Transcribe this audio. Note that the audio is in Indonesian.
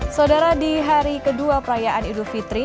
saudara di hari kedua perayaan idul fitri